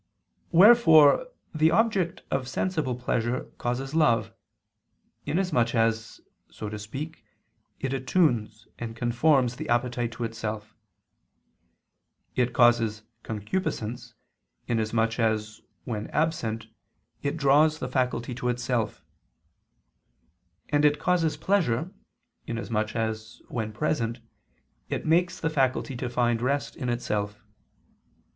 Wherefore the object of sensible pleasure causes love, inasmuch as, so to speak, it attunes and conforms the appetite to itself; it causes concupiscence, inasmuch as, when absent, it draws the faculty to itself; and it causes pleasure, inasmuch as, when present, it makes the faculty to find rest in itself.